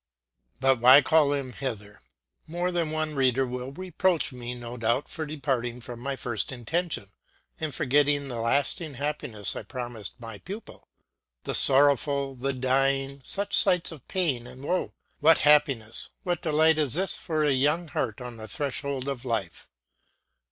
But why call him hither? More than one reader will reproach me no doubt for departing from my first intention and forgetting the lasting happiness I promised my pupil. The sorrowful, the dying, such sights of pain and woe, what happiness, what delight is this for a young heart on the threshold of life?